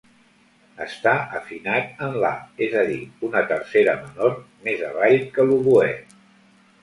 Està afinat en la, és a dir, una tercera menor més avall que l'oboè.